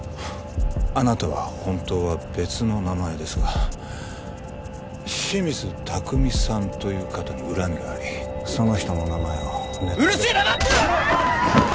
あなたは本当は別の名前ですがシミズタクミさんという方に恨みがありその人の名前をうるせえ黙ってろ！